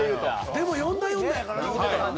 でも４打４打やからな。